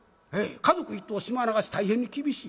家族一統島流し大変に厳しい。